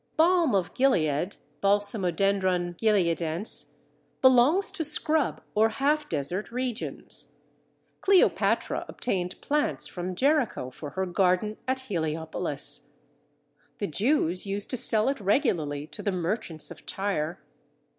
Balm of Gilead (Balsamodendron Gileadense) belongs to scrub or half desert regions. Cleopatra obtained plants from Jericho for her garden at Heliopolis. The Jews used to sell it regularly to the merchants of Tyre.